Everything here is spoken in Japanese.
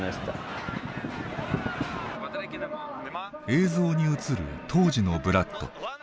映像に映る当時のブラッド。